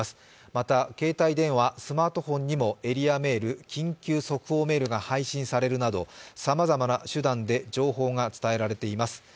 また携帯電話、スマートフォンにもエリアメール、緊急速報メールが配信されるなどさまざまな手段で情報が伝えられています。